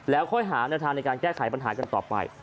แล้วค่อยหาแนวทางในการแก้ไขปัญหากันต่อไป